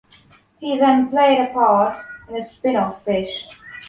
He then played a part in the spin-off “Fish”.